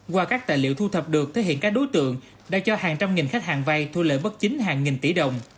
qua các tài liệu thu thập được thể hiện các đối tượng đã cho hàng trăm nghìn khách hàng vay thu lợi bất chính hàng nghìn tỷ đồng